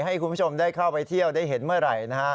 ให้คุณผู้ชมได้เข้าไปเที่ยวได้เห็นเมื่อไหร่